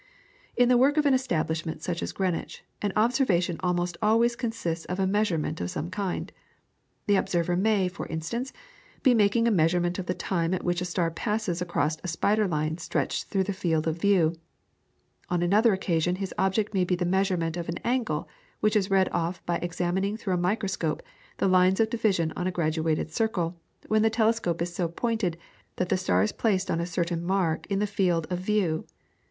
In the work of an establishment such as Greenwich, an observation almost always consists of a measurement of some kind. The observer may, for instance, be making a measurement of the time at which a star passes across a spider line stretched through the field of view; on another occasion his object may be the measurement of an angle which is read off by examining through a microscope the lines of division on a graduated circle when the telescope is so pointed that the star is placed on a certain mark in the field of view.